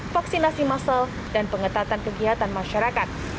vaksinasi massal dan pengetatan kegiatan masyarakat